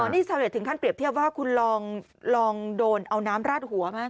นี่ชาวเน็ตถึงขั้นเปรียบเทียบว่าคุณลองโดนเอาน้ำราดหัวไหม